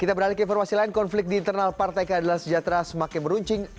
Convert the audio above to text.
kita beralih ke informasi lain konflik di internal partai keadilan sejahtera semakin meruncing